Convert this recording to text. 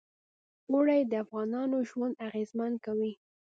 اوړي د افغانانو ژوند اغېزمن کوي.